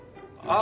あ！